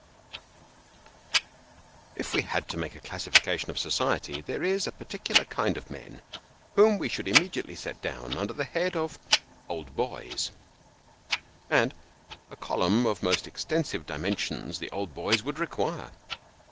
IF we had to make a classification of society, there are a particular kind of men whom we should immediately set down under the head of " Old Boys ;" and a column of most extensive dimensions the old boys would require.